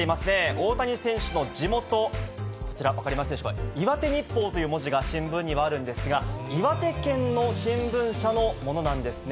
大谷選手の地元、こちら、分かりますでしょうか、岩手日報という文字が新聞にはあるんですが、岩手県の新聞社のものなんですね。